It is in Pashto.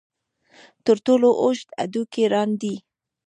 تر ټولو اوږد هډوکی ران دی.